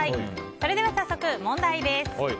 それでは早速、問題です。